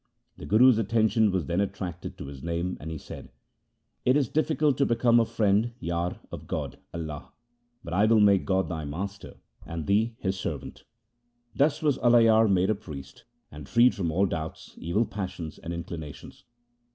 The Guru's attention was then attracted to his name, and he said, ' It is difficult to become a friend (yar) of God (Allah), but I will make God thy Master, and thee His servant.' Thus was Alayar made a priest and freed from all doubts, evil passions, and inclinations.